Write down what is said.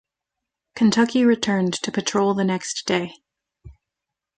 Kentucky returned to patrol the next day.